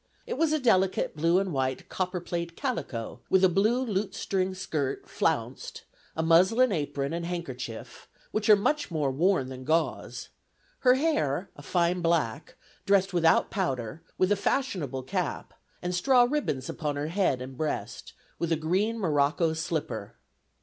It was a delicate blue and white copper plate calico, with a blue lutestring skirt, flounced; a muslin apron and handkerchief, which are much more worn than gauze; her hair, a fine black, dressed without powder, with a fashionable cap, and straw ribbons upon her head and breast, with a green morocco slipper.